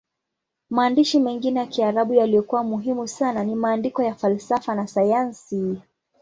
Maandishi mengine ya Kiarabu yaliyokuwa muhimu sana ni maandiko ya falsafa na sayansi.